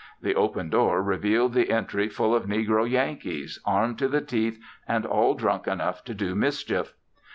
The open door revealed the entry full of negro Yankees, armed to the teeth and all drunk enough to do mischief.